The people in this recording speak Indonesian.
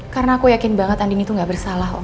karena aku yakin banget andien itu gak bersalah om